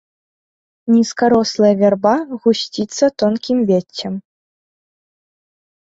Нізкарослая вярба гусціцца тонкім веццем.